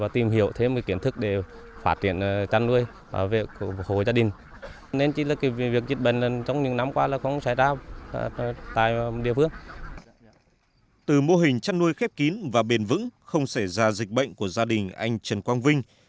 từ mô hình chăn nuôi khép kín và bền vững không xảy ra dịch bệnh của gia đình anh trần quang vinh